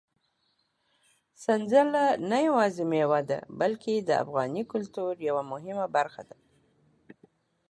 سنځله نه یوازې مېوه ده، بلکې د افغاني کلتور یوه مهمه برخه ده.